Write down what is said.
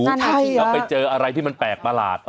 นานต่างจากผีหลังนี้กับไปเจออะไรที่มันแปลกประหลาด